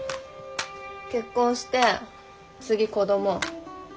結婚して次子ども。